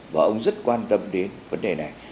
và ông rất quan tâm đến vấn đề này